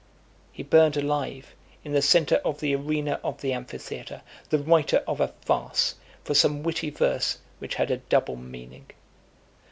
He burned alive, in the centre of the arena of the amphitheatre, the writer of a farce, for some witty verse, which had a double meaning.